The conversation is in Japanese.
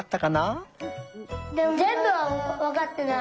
ぜんぶはわかってない。